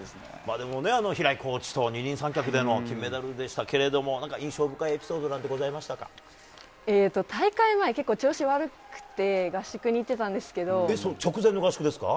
でも、平井コーチと二人三脚での金メダルでしたけれども印象深いエピソードなんて大会前、調子が悪くて直前の合宿ですか？